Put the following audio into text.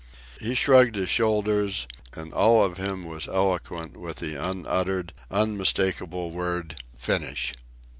He shrugged his shoulders, and all of him was eloquent with the unuttered, unmistakable word—"finish."